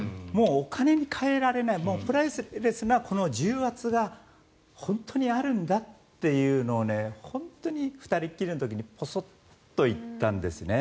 お金に換えられないプライスレスな重圧が本当にあるんだっていうのを２人っきりの時にぼそっと言ったんですね。